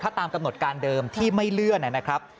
ถ้าตามกำหนดการเดิมที่ไม่เลื่อนนะครับ